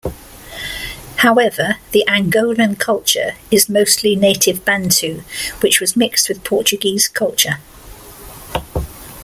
However, the Angolan culture is mostly native Bantu which was mixed with Portuguese culture.